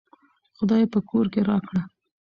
خداى په کور کې راکړه